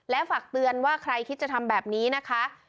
ฝากเตือนว่าใครคิดจะทำแบบนี้นะคะ